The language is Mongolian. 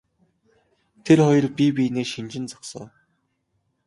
Тэр хоёр бие биенээ шинжин зогсов.